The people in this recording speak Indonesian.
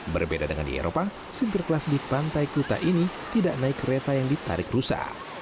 berbeda dengan di eropa sinterklas di pantai kuta ini tidak naik kereta yang ditarik rusa